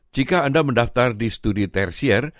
jika anda mendaftar di studi tersier